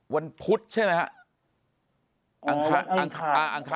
วันพุธใช่มั้ยครับ